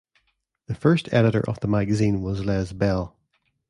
The first editor of the magazine was Les Bell.